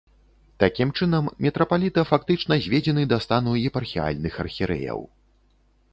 Такім чынам, мітрапаліта фактычна зведзены да стану епархіяльных архірэяў.